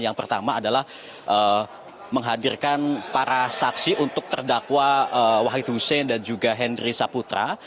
yang pertama adalah menghadirkan para saksi untuk terdakwa wai tusein dan juga hendry saputra